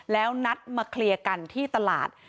แล้วนัดมาเคลียร์กันที่ตลาด